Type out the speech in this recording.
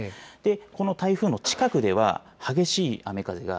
この台風の近くでは激しい雨風が